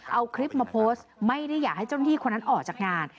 เอาคลิปมาโพสต์ไม่ได้อยากให้เจ้าหน้าที่คนนั้นออกจากงาน